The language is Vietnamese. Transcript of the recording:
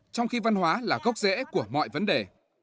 trong khi văn hóa là gốc rễ của mọi vấn đề